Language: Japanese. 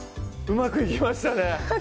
うまくいきました